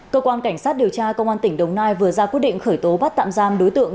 cơ quan cảnh sát điều tra công an tỉnh đồng nai vừa ra quyết định khởi tố bắt tạm giam đối tượng